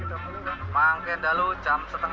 ponggo warga masyarakat desa semanding dan sekitarnya